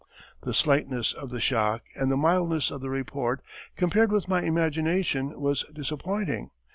The slightness of the shock and the mildness of the report compared with my imagination was disappointing.